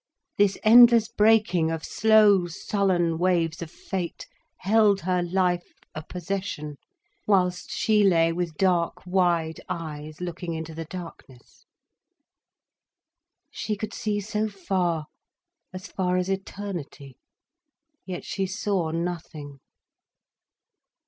This endless breaking of slow, sullen waves of fate held her life a possession, whilst she lay with dark, wide eyes looking into the darkness. She could see so far, as far as eternity—yet she saw nothing.